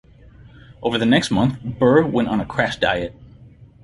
Over the next month, Burr went on a crash diet.